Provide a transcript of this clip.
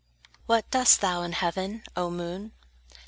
What doest thou in heaven, O moon?